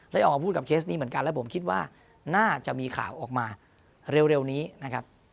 ออกมาพูดกับเคสนี้เหมือนกันและผมคิดว่าน่าจะมีข่าวออกมาเร็วนี้นะครับ